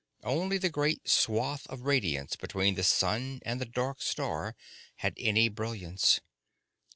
Only the great swathe of radiance between the sun and the dark star had any brilliance.